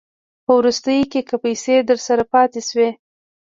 په وروستیو کې که پیسې درسره پاته شوې